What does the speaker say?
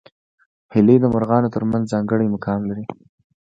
هیلۍ د مرغانو تر منځ ځانګړی مقام لري